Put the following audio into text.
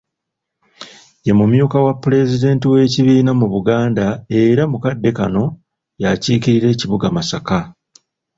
Ye mumyuka wa Pulezidenti w'ekibiina mu Buganda era mu kadde kano y'akiikirira ekibuga Masaka.